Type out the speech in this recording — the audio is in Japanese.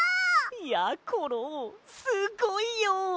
やころすごいよ！